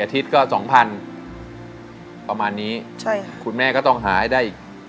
๔อาทิตย์ก็๒๐๐๐ประมาณนี้คุณแม่ก็ต้องหาให้ได้อีก๗๘๐๐๐